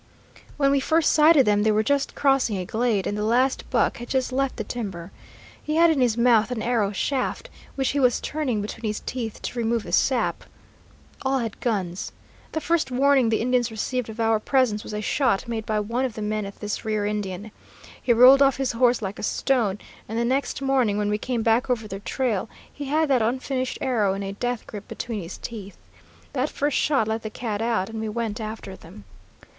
When we first sighted them, they were just crossing a glade, and the last buck had just left the timber. He had in his mouth an arrow shaft, which he was turning between his teeth to remove the sap. All had guns. The first warning the Indians received of our presence was a shot made by one of the men at this rear Indian. He rolled off his horse like a stone, and the next morning when we came back over their trail, he had that unfinished arrow in a death grip between his teeth. That first shot let the cat out, and we went after them.